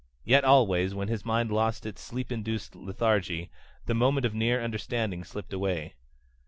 Yet always, when his mind lost its sleep induced lethargy, the moment of near understanding slipped away.